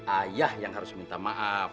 ayah yang harus minta maaf